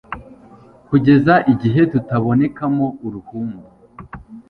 kugeza igihe tutabonekamo uruhumbu